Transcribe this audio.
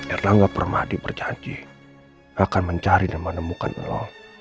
irlangga permadi berjanji akan mencari dan menemukan lu